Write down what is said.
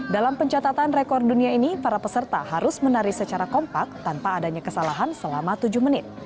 dalam pencatatan rekor dunia ini para peserta harus menari secara kompak tanpa adanya kesalahan selama tujuh menit